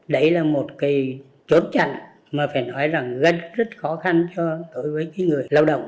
đấy là một cái chốt chặn mà phải nói rằng gây rất khó khăn cho đối với người lao động